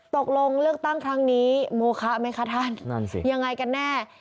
ตกลงเลือกตั้งครั้งนี้โมคะไหมคะท่านนั่นสิยังไงกันแน่